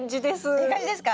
いい感じですか？